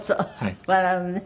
笑うね。